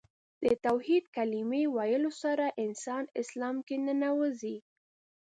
د توحید کلمې ویلو سره انسان اسلام کې ننوځي .